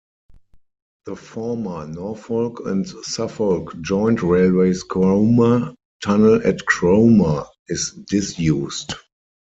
The former Norfolk and Suffolk Joint Railway's Cromer Tunnel at Cromer is disused.